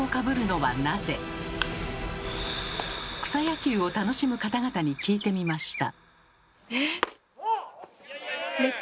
草野球を楽しむ方々に聞いてみました。